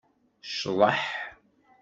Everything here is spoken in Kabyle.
Cḍeḥ!